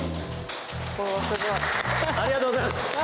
おすごい。ありがとうございます。